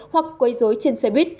hoặc quây dối trên xe buýt